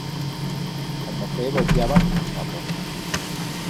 O mocet botiaba como un zapo.